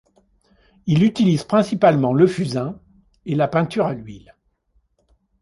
Il utilise principalement le fusain et la peinture à l'huile.